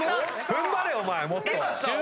踏ん張れよもっと！